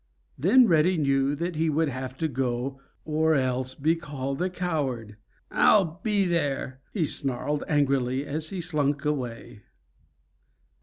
Then Reddy knew that he would have to go or else be called a coward. "I'll be there," he snarled angrily, as he slunk away.